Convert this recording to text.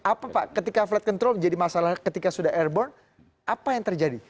apa pak ketika flight control menjadi masalah ketika sudah airborne apa yang terjadi